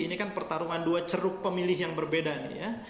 ini kan pertarungan dua ceruk pemilih yang berbeda nih ya